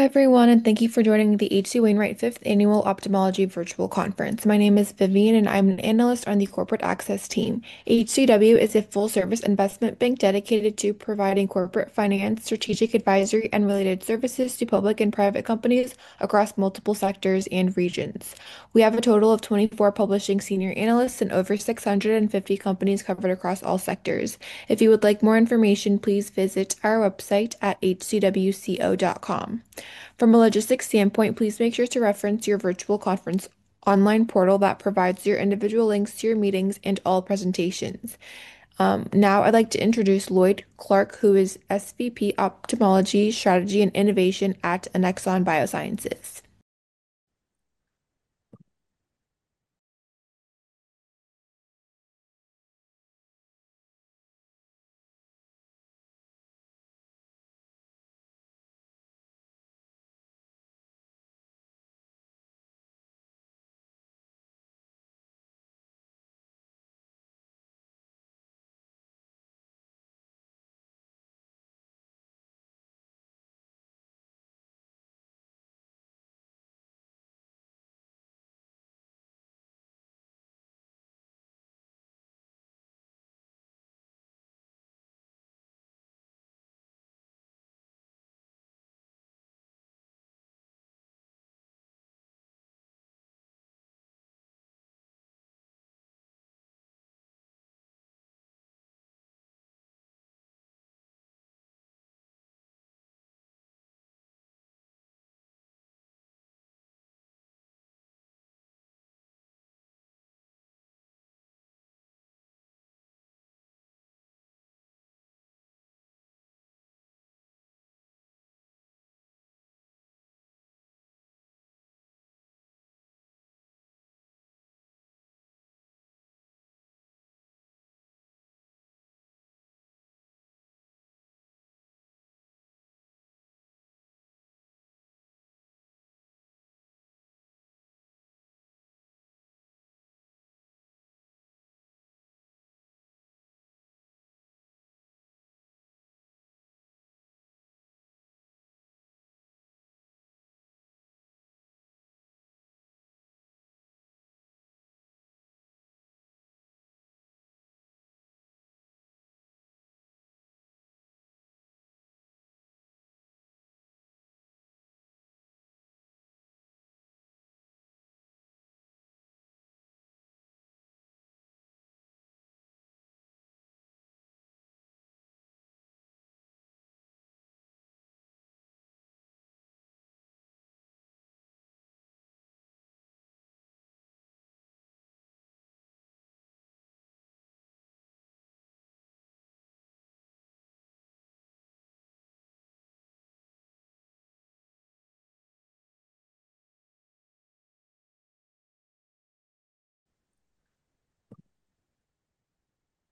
Hi everyone, and thank you for joining the H.C. Wainwright Fifth Annual Ophthalmology Virtual Conference. My name is Vivian, and I'm an analyst on the Corporate Access team. HCW is a full-service investment bank dedicated to providing corporate finance, strategic advisory, and related services to public and private companies across multiple sectors and regions. We have a total of 24 publishing senior analysts and over 650 companies covered across all sectors. If you would like more information, please visit our website at hcwco.com. From a logistics standpoint, please make sure to reference your virtual conference online portal that provides your individual links to your meetings and all presentations. Now, I'd like to introduce Lloyd Clark, who is SVP of Ophthalmology Strategy and Innovation at Annexon Biosciences.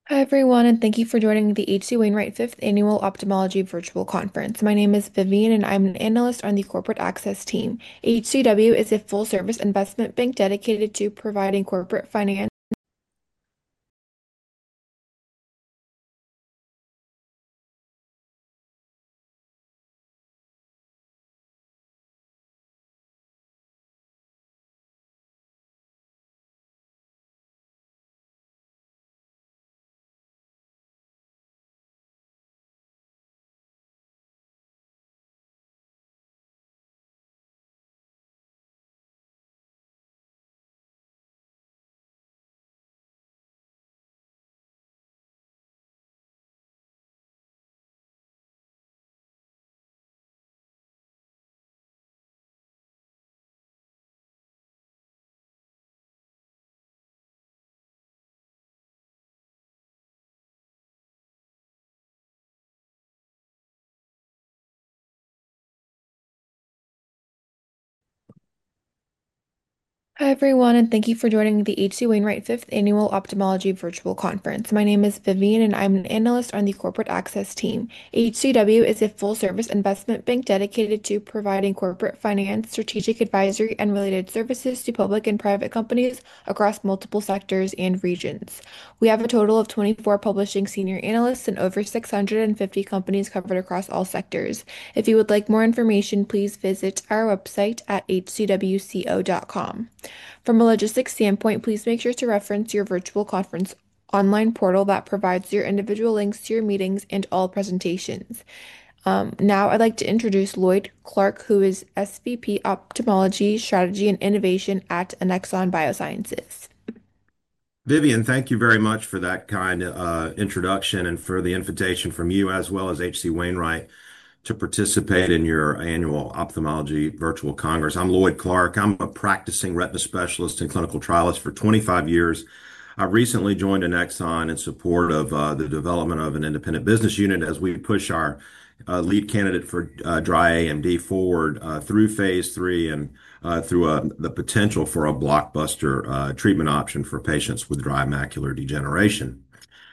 Thank you. Hi everyone, and thank you for joining the H.C. Wainwright Fifth Annual Ophthalmology Virtual Conference. My name is Vivian, and I'm an analyst on the Corporate Access team. HCW is a full-service investment bank dedicated to providing corporate finance. Hi everyone, and thank you for joining the H.C. Wainwright Fifth Annual Ophthalmology Virtual Conference. My name is Vivian, and I'm an analyst on the Corporate Access team. HCW is a full-service investment bank dedicated to providing corporate finance, strategic advisory, and related services to public and private companies across multiple sectors and regions. We have a total of 24 publishing senior analysts in over 650 companies covered across all sectors. If you would like more information, please visit our website at hcwco.com. From a logistics standpoint, please make sure to reference your virtual conference online portal that provides your individual links to your meetings and all presentations. Now, I'd like to introduce Lloyd Clark, who is SVP of Ophthalmology Strategy and Innovation at Annexon Biosciences. Vivian, thank you very much for that kind introduction and for the invitation from you as well as H.C. Wainwright to participate in your annual Ophthalmology Virtual Congress. I'm Lloyd Clark. I'm a practicing retina specialist and clinical trialist for 25 years. I recently joined Annexon in support of the development of an independent business unit as we push our lead candidate for dry AMD forward through phase III and through the potential for a blockbuster treatment option for patients with dry macular degeneration.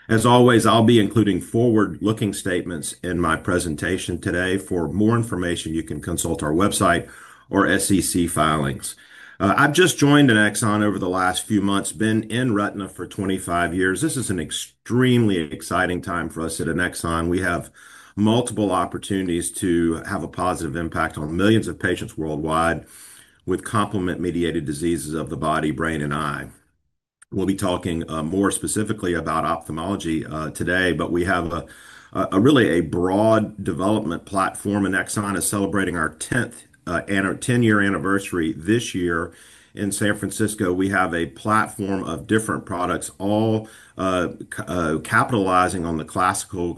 As always, I'll be including forward-looking statements in my presentation today. For more information, you can consult our website or SEC filings. I've just joined Annexon over the last few months, been in retina for 25 years. This is an extremely exciting time for us at Annexon. We have multiple opportunities to have a positive impact on millions of patients worldwide with complement-mediated diseases of the body, brain, and eye. We'll be talking more specifically about ophthalmology today, but we have a really broad development platform. Annexon is celebrating our 10th annual 10-year anniversary this year in San Francisco. We have a platform of different products, all capitalizing on the classical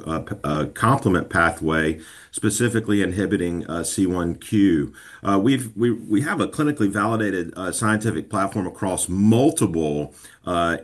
complement pathway, specifically inhibiting C1q. We have a clinically validated scientific platform across multiple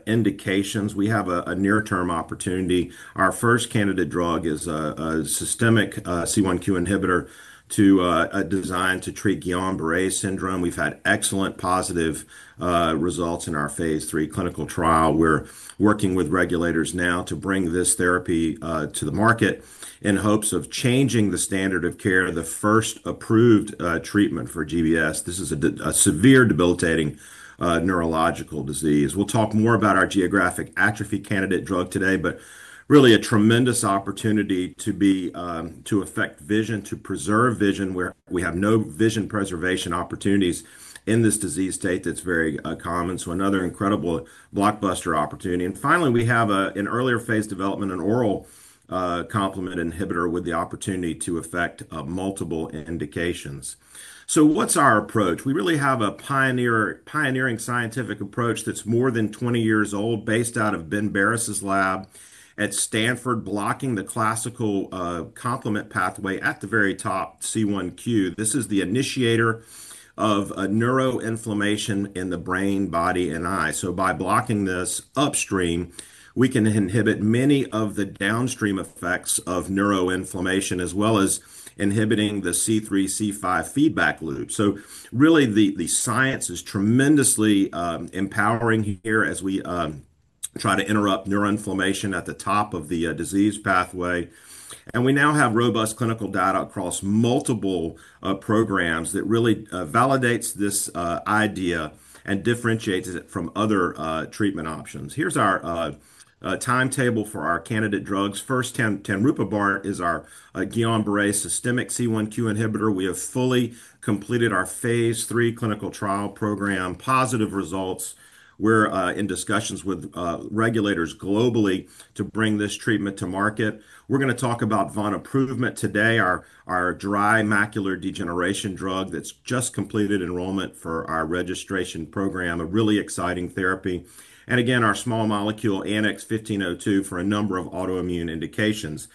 indications. We have a near-term opportunity. Our first candidate drug is a systemic C1q inhibitor designed to treat Guillain-Barré syndrome. We've had excellent positive results in our phase III clinical trial. We're working with regulators now to bring this therapy to the market in hopes of changing the standard of care, the first approved treatment for GBS. This is a severe debilitating neurological disease. We'll talk more about our geographic atrophy candidate drug today, really a tremendous opportunity to affect vision, to preserve vision where we have no vision preservation opportunities in this disease state that's very common. Another incredible blockbuster opportunity. Finally, we have an earlier phase development, an oral complement inhibitor with the opportunity to affect multiple indications. What's our approach? We really have a pioneering scientific approach that's more than 20 years old, based out of Ben Barres' lab at Stanford, blocking the classical complement pathway at the very top, C1q. This is the initiator of neuroinflammation in the brain, body, and eye. By blocking this upstream, we can inhibit many of the downstream effects of neuroinflammation as well as inhibiting the C3-C5 feedback loop. The science is tremendously empowering here as we try to interrupt neuroinflammation at the top of the disease pathway. We now have robust clinical data across multiple programs that really validate this idea and differentiate it from other treatment options. Here's our timetable for our candidate drugs. First, tanruprubart is our Guillain-Barré syndrome systemic C1q inhibitor. We have fully completed our phase III clinical trial program, positive results. We're in discussions with regulators globally to bring this treatment to market. We're going to talk about Vonaprument today, our dry age-related macular degeneration drug that's just completed enrollment for our registration program, a really exciting therapy. Again, our small molecule ANX1502 for a number of autoimmune indications.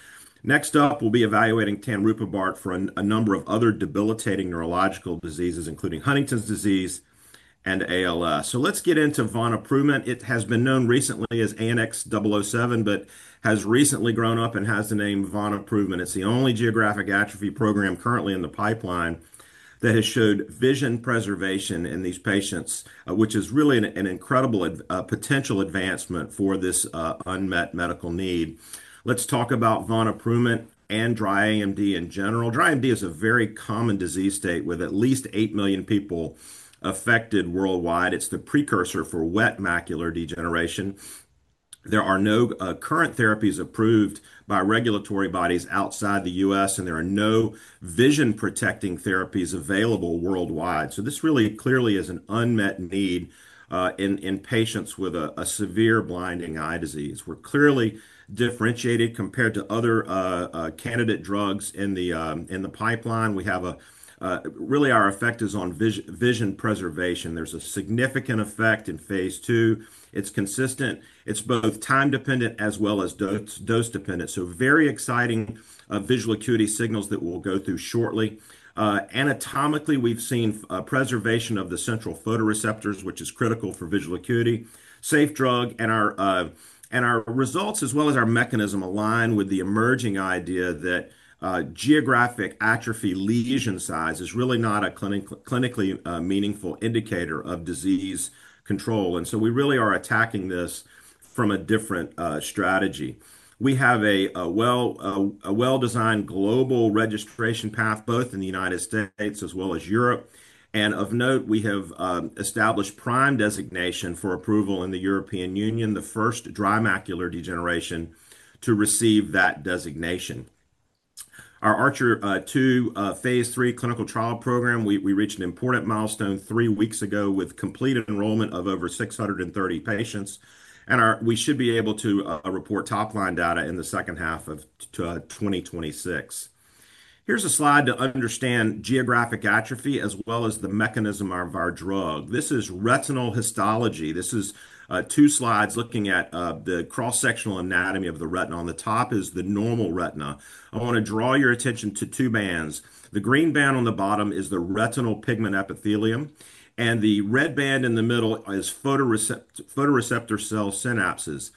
Next up, we'll be evaluating tanruprubart for a number of other debilitating neurological diseases, including Huntington's disease and ALS. Let's get into Vonaprument. It has been known recently as ANX007, but has recently grown up and has the name Vonaprument. It's the only geographic atrophy program currently in the pipeline that has showed vision preservation in these patients, which is really an incredible potential advancement for this unmet medical need. Let's talk about Vonaprument and dry AMD in general. Dry AMD is a very common disease state with at least 8 million people affected worldwide. It's the precursor for wet macular degeneration. There are no current therapies approved by regulatory bodies outside the U.S., and there are no vision-protecting therapies available worldwide. This really clearly is an unmet need in patients with a severe blinding eye disease. We're clearly differentiated compared to other candidate drugs in the pipeline. Our effect is on vision preservation. There's a significant effect in phase II. It's consistent. It's both time-dependent as well as dose-dependent. Very exciting visual acuity signals that we'll go through shortly. Anatomically, we've seen preservation of the central photoreceptors, which is critical for visual acuity. Safe drug, and our results as well as our mechanism align with the emerging idea that geographic atrophy lesion size is really not a clinically meaningful indicator of disease control. We really are attacking this from a different strategy. We have a well-designed global registration path, both in the United States as well as Europe. Of note, we have established PRIME designation for approval in the European Union, the first dry age-related macular degeneration to receive that designation. Our ARCHER II phase III clinical trial program reached an important milestone three weeks ago with complete enrollment of over 630 patients. We should be able to report top-line data in the second half of 2026. Here's a slide to understand geographic atrophy as well as the mechanism of our drug. This is retinal histology. This is two slides looking at the cross-sectional anatomy of the retina. On the top is the normal retina. I want to draw your attention to two bands. The green band on the bottom is the retinal pigment epithelium, and the red band in the middle is photoreceptor cell synapses.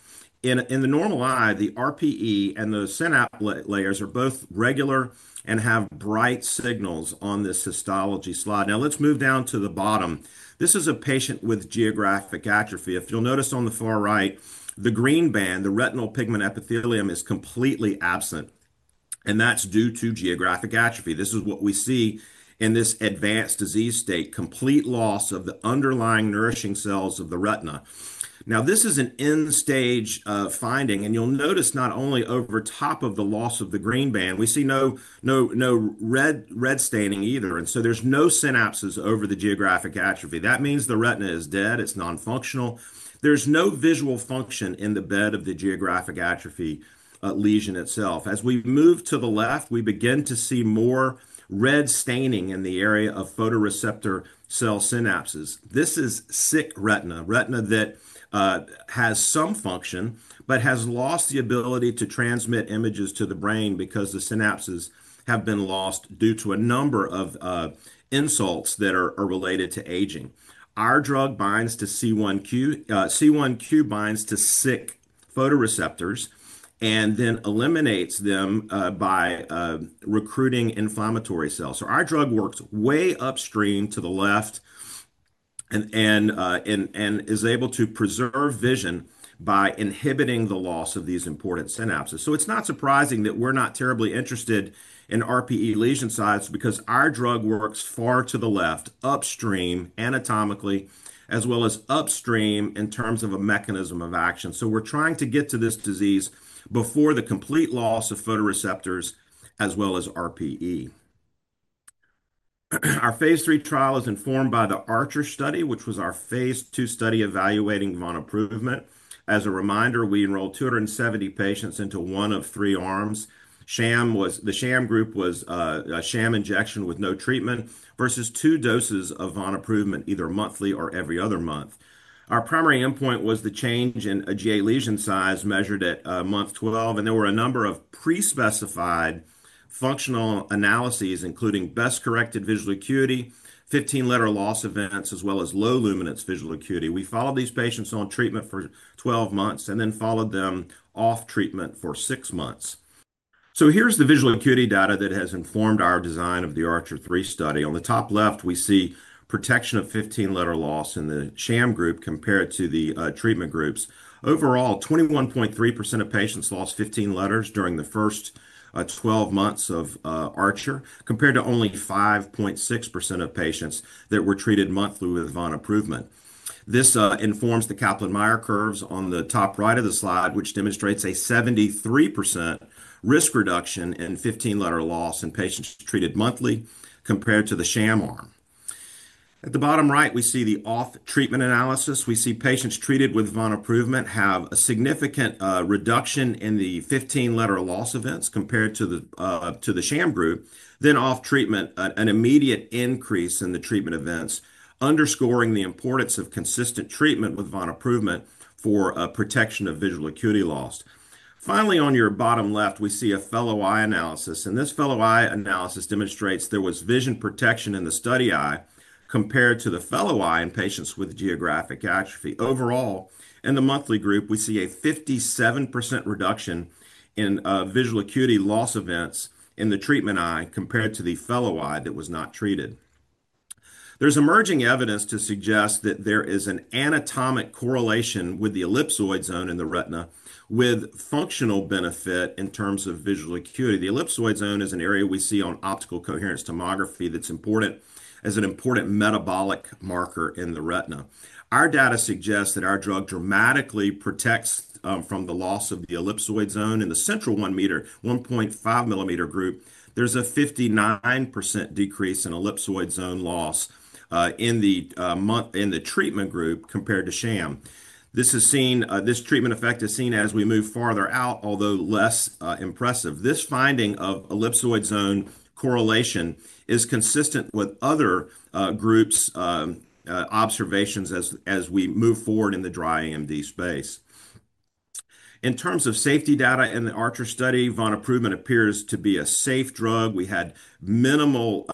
In the normal eye, the RPE and the synapse layers are both regular and have bright signals on this histology slide. Now, let's move down to the bottom. This is a patient with geographic atrophy. If you'll notice on the far right, the green band, the retinal pigment epithelium is completely absent. That's due to geographic atrophy. This is what we see in this advanced disease state, complete loss of the underlying nourishing cells of the retina. This is an end-stage finding, and you'll notice not only over top of the loss of the green band, we see no red staining either. There's no synapses over the geographic atrophy. That means the retina is dead, it's non-functional. There's no visual function in the bed of the geographic atrophy lesion itself. As we move to the left, we begin to see more red staining in the area of photoreceptor cell synapses. This is sick retina, retina that has some function but has lost the ability to transmit images to the brain because the synapses have been lost due to a number of insults that are related to aging. Our drug binds to C1q, C1q binds to sick photoreceptors and then eliminates them by recruiting inflammatory cells. Our drug works way upstream to the left and is able to preserve vision by inhibiting the loss of these important synapses. It's not surprising that we're not terribly interested in RPE lesion size because our drug works far to the left, upstream anatomically, as well as upstream in terms of a mechanism of action. We're trying to get to this disease before the complete loss of photoreceptors as well as RPE. Our phase III trial is informed by the ARCHER study, which was our phase II study evaluating Vonaprument. As a reminder, we enrolled 270 patients into one of three arms. The sham group was a sham injection with no treatment versus two doses of Vonaprument, either monthly or every other month. Our primary endpoint was the change in GA lesion size measured at month 12, and there were a number of pre-specified functional analyses, including best-corrected visual acuity, 15-letter loss events, as well as low luminance visual acuity. We followed these patients on treatment for 12 months and then followed them off treatment for six months. Here's the visual acuity data that has informed our design of the [ARCHER III] study. On the top left, we see protection of 15-letter loss in the sham group compared to the treatment groups. Overall, 21.3% of patients lost 15 letters during the first 12 months of ARCHER compared to only 5.6% of patients that were treated monthly with Vonaprument. This informs the Kaplan-Meier curves on the top right of the slide, which demonstrates a 73% risk reduction in 15-letter loss in patients treated monthly compared to the sham arm. At the bottom right, we see the off-treatment analysis. Patients treated with Vonaprument have a significant reduction in the 15-letter loss events compared to the sham group. Off-treatment, there is an immediate increase in the treatment events, underscoring the importance of consistent treatment with Vonaprument for protection of visual acuity loss. Finally, on your bottom left, we see a fellow eye analysis, and this fellow eye analysis demonstrates there was vision protection in the study eye compared to the fellow eye in patients with geographic atrophy. Overall, in the monthly group, we see a 57% reduction in visual acuity loss events in the treatment eye compared to the fellow eye that was not treated. There's emerging evidence to suggest that there is an anatomic correlation with the ellipsoid zone in the retina with functional benefit in terms of visual acuity. The ellipsoid zone is an area we see on optical coherence tomography that's important as an important metabolic marker in the retina. Our data suggests that our drug dramatically protects from the loss of the ellipsoid zone in the central 1 mm, 1.5 mm group. There's a 59% decrease in ellipsoid zone loss in the treatment group compared to sham. This treatment effect is seen as we move farther out, although less impressive. This finding of ellipsoid zone correlation is consistent with other groups' observations as we move forward in the dry AMD space. In terms of safety data in the ARCHER study, Vonaprument appears to be a safe drug. We had minimal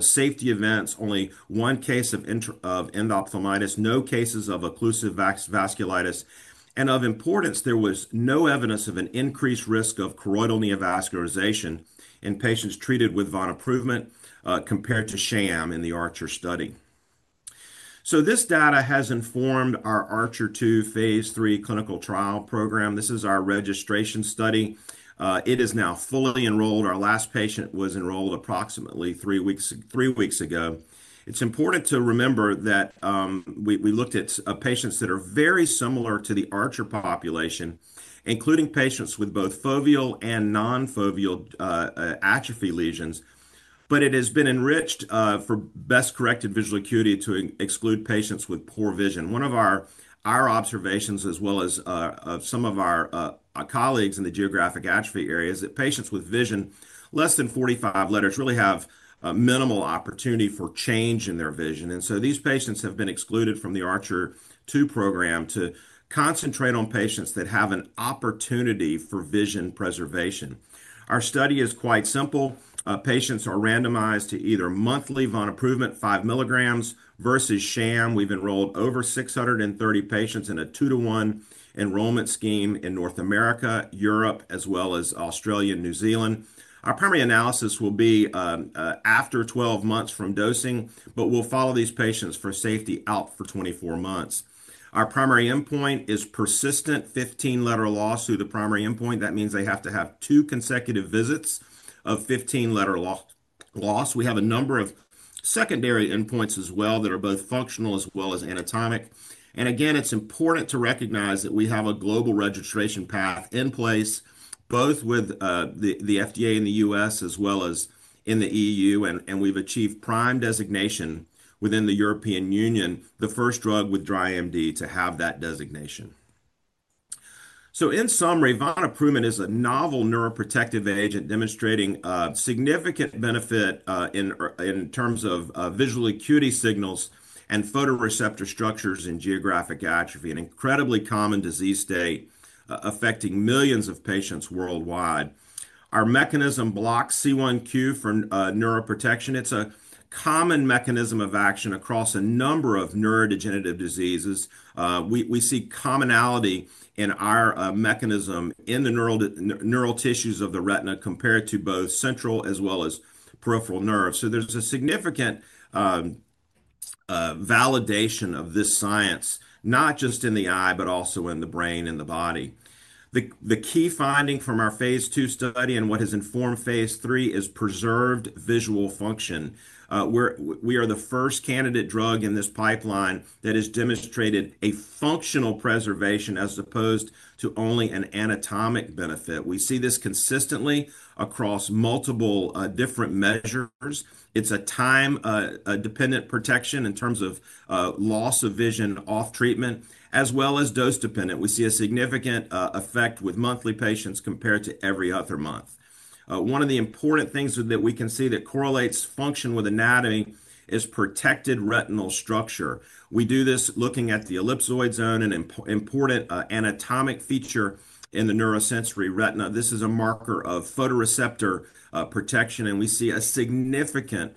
safety events, only one case of endophthalmitis, no cases of occlusive vasculitis, and of importance, there was no evidence of an increased risk of choroidal neovascularization in patients treated with Vonaprument compared to sham in the ARCHER study. This data has informed our ARCHER II phase III clinical trial program. This is our registration study. It is now fully enrolled. Our last patient was enrolled approximately three weeks ago. It's important to remember that we looked at patients that are very similar to the ARCHER population, including patients with both foveal and non-foveal atrophy lesions, but it has been enriched for best-corrected visual acuity to exclude patients with poor vision. One of our observations, as well as some of our colleagues in the geographic atrophy areas, is that patients with vision less than 45 letters really have minimal opportunity for change in their vision. These patients have been excluded from the ARCHER II program to concentrate on patients that have an opportunity for vision preservation. Our study is quite simple. Patients are randomized to either monthly Vonaprument, 5 mg, versus sham. We've enrolled over 630 patients in a two-to-one enrollment scheme in North America, Europe, as well as Australia and New Zealand. Our primary analysis will be after 12 months from dosing, but we'll follow these patients for safety out for 24 months. Our primary endpoint is persistent 15-letter loss through the primary endpoint. That means they have to have two consecutive visits of 15-letter loss. We have a number of secondary endpoints as well that are both functional as well as anatomic. Again, it's important to recognize that we have a global registration path in place, both with the FDA in the U.S. as well as in the EU, and we've achieved PRIME designation within the European Union, the first drug with dry AMD to have that designation. In summary, Vonaprument is a novel neuroprotective agent demonstrating significant benefit in terms of visual acuity signals and photoreceptor structures in geographic atrophy, an incredibly common disease state affecting millions of patients worldwide. Our mechanism blocks C1q for neuroprotection. It's a common mechanism of action across a number of neurodegenerative diseases. We see commonality in our mechanism in the neural tissues of the retina compared to both central as well as peripheral nerves. There's significant validation of this science, not just in the eye, but also in the brain and the body. The key finding from our phase II study and what has informed phase III is preserved visual function. We are the first candidate drug in this pipeline that has demonstrated a functional preservation as opposed to only an anatomic benefit. We see this consistently across multiple different measures. It's a time-dependent protection in terms of loss of vision off treatment, as well as dose-dependent. We see a significant effect with monthly patients compared to every other month. One of the important things that we can see that correlates function with anatomy is protected retinal structure. We do this looking at the ellipsoid zone, an important anatomic feature in the neurosensory retina. This is a marker of photoreceptor protection, and we see significant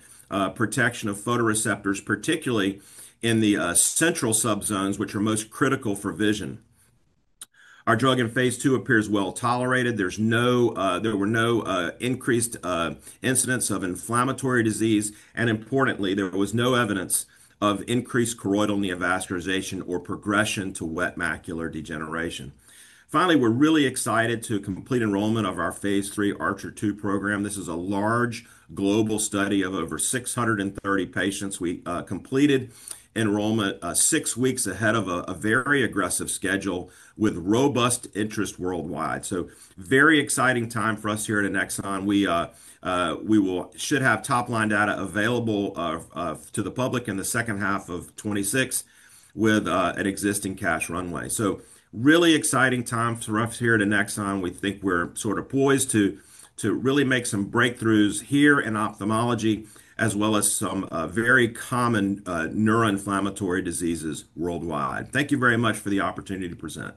protection of photoreceptors, particularly in the central subzones, which are most critical for vision. Our drug in phase II appears well tolerated. There were no increased incidents of inflammatory disease, and importantly, there was no evidence of increased choroidal neovascularization or progression to wet macular degeneration. We are really excited to complete enrollment of our phase III ARCHER II program. This is a large global study of over 630 patients. We completed enrollment six weeks ahead of a very aggressive schedule with robust interest worldwide. It is a very exciting time for us here at Annexon. We should have top-line data available to the public in the second half of 2026 with an existing cash runway. It is really exciting times for us here at Annexon. We think we're sort of poised to really make some breakthroughs here in ophthalmology, as well as some very common neuroinflammatory diseases worldwide. Thank you very much for the opportunity to present.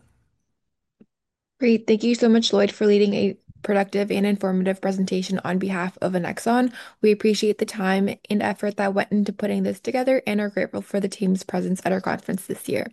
Great. Thank you so much, Lloyd, for leading a productive and informative presentation on behalf of Annexon. We appreciate the time and effort that went into putting this together, and are grateful for the team's presence at our conference this year.